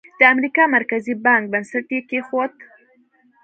د امریکا مرکزي بانک بنسټ یې کېښود.